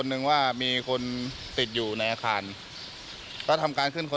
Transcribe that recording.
อืม